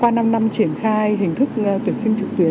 qua năm năm triển khai hình thức tuyển sinh trực tuyến